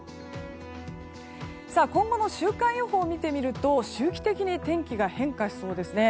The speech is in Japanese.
今後の週間予報を見てみると周期的に天気が変化しそうですね。